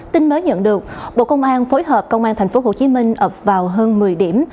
tin mới nhận được bộ công an phối hợp công an tp hcm ập vào hơn một mươi điểm